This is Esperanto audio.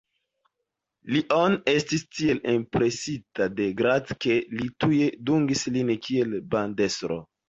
Lion estis tiel impresita de Grant, ke li tuj dungis lin kiel bandestro.